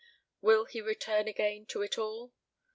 Will he return again to it all?